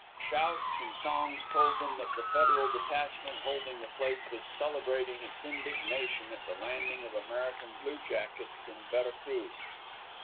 Shouts and songs told them that the federal detachment holding the place was celebrating its indignation at the landing of American bluejackets in Vera Cruz.